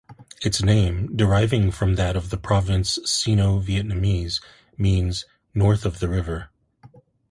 Its name, deriving from that of the Province Sino-Vietnamese, means north of the river.